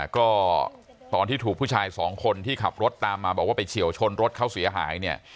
ก็ตอนที่ถูกผู้ชายสองคนที่ขับรถตามมาบอกว่าไปเฉียวชนรถเขาเสียหายเนี่ย